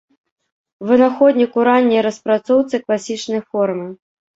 Вынаходнік у ранняй распрацоўцы класічнай формы.